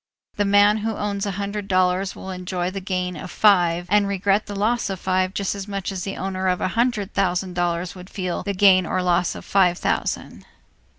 The man who owns a hundred dollars will enjoy the gain of five and regret the loss of five just as much as the owner of a hundred thousand dollars would feel the gain or loss of five thousand.